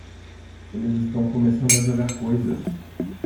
Eles estão começando a jogar coisas!